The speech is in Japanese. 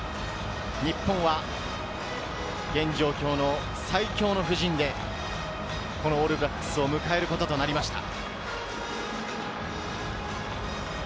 日本は現状況の最強の布陣で、オールブラックスを迎えることとなりました。